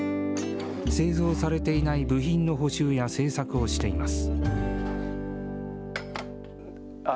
製造されていない部品の補修や製作をしています。